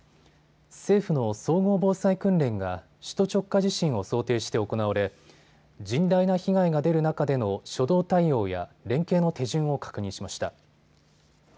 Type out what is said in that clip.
政府の総合防災訓練が首都直下地震を想定して行われ甚大な被害が出る中での初動対応や、連携の手順を確認しました。